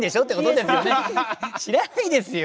知らないですよ。